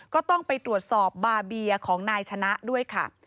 ก็ต้องไปตรวจสอบบาเบียของนายชนะด้วยค่ะ